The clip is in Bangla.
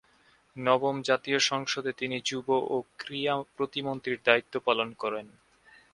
নবম জাতীয় সংসদে তিনি যুব ও ক্রীড়া প্রতিমন্ত্রীর দায়িত্ব পালন করেন।